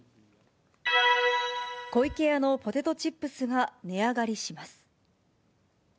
湖池屋のポテトチップスが値上がりします。